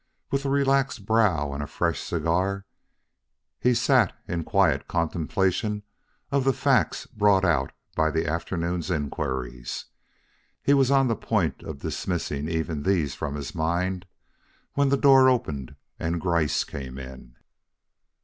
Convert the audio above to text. With relaxed brow and a fresh cigar, he sat in quiet contemplation of the facts brought out by the afternoon's inquiries. He was on the point of dismissing even these from his mind, when the door opened and Gryce came in.